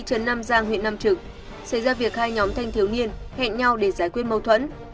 trấn nam giang huyện nam trực xảy ra việc hai nhóm thanh thiếu niên hẹn nhau để giải quyết mâu thuẫn